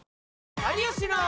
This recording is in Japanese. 有吉の。